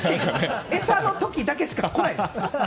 餌の時だけしか来ないです。